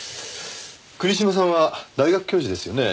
国島さんは大学教授ですよね。